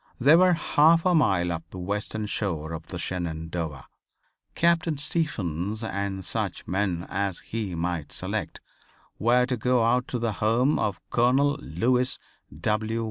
They were half of a mile up the western shore of the Shenandoah. Captain Stephens, and such men as he might select, were to go out to the home of Colonel Lewis W.